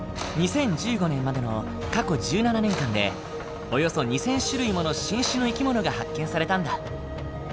２０１５年までの過去１７年間でおよそ２，０００種類もの新種の生き物が発見されたんだ。